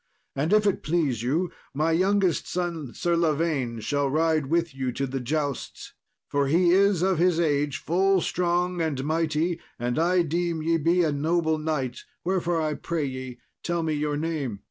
And, if it please you, my youngest son, Sir Lavaine, shall ride with you to the jousts, for he is of his age full strong and mighty; and I deem ye be a noble knight, wherefore I pray ye tell me your name."